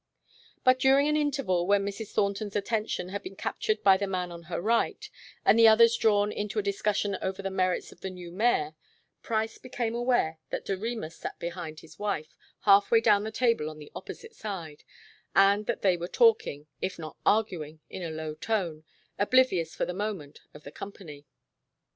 But during an interval when Mrs. Thornton's attention had been captured by the man on her right, and the others drawn into a discussion over the merits of the new mayor, Price became aware that Doremus sat beside his wife halfway down the table on the opposite side, and that they were talking, if not arguing, in a low tone, oblivious for the moment of the company.